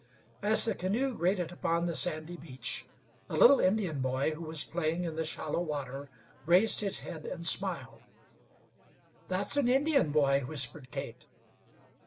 As the canoe grated upon the sandy beach a little Indian boy, who was playing in the shallow water, raised his head and smiled. "That's an Indian boy," whispered Kate.